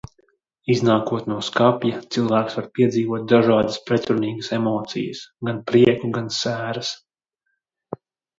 Iznākot no skapja, cilvēks var piedzīvot dažādas pretrunīgas emocijas – gan prieku, gan sēras.